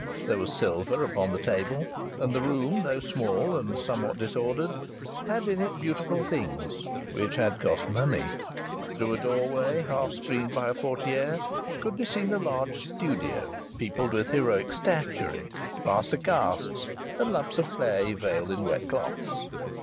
There was silver upon the table, and the room, though small and somewhat disordered, had in it beautiful things which had cost money. Through a doorway half screened by a portière could be seen a large studio peopled with heroic statuary, plaster casts, and lumps of clay veiled in wet cloths.